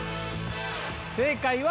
正解は。